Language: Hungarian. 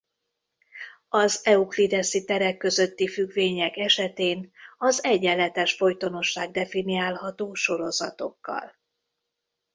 Az euklideszi terek közötti függvények esetén az egyenletes folytonosság definiálható sorozatokkal.